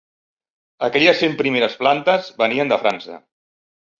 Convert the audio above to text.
Aquelles cent primeres plantes venien de França.